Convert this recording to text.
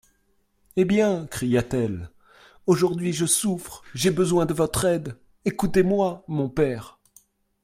Eh bien ! cria-t-elle, aujourd'hui je souffre, j'ai besoin de votre aide … Écoutez-moi, mon père.